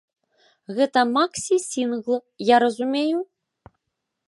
Гэта максі-сінгл, я разумею?